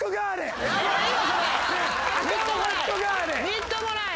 みっともない。